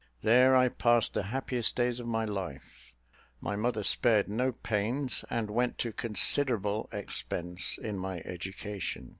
There I passed the happiest days of my life; my mother spared no pains, and went to considerable expense in my education.